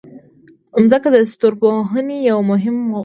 مځکه د ستورپوهنې یوه مهمه موضوع ده.